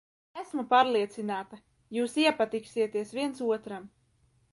Esmu pārliecināta, jūs iepatiksieties viens otram.